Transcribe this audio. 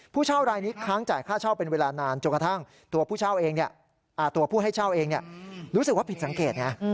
ผู้เช่ารายนี้ค้างจ่ายค่าเช่าเป็นเวลานานจนกระทั่งตัวผู้เช่าเองตัวผู้ให้เช่าเองรู้สึกว่าผิดสังเกตไง